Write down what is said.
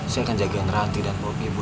saya akan jaga ranti dan bawa ibu